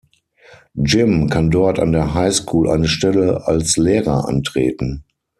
Jim kann dort an der High-School eine Stelle als Lehrer antreten.